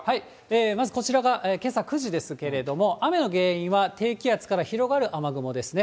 まずこちらが、けさ９時ですけれども、雨の原因は、低気圧から広がる雨雲ですね。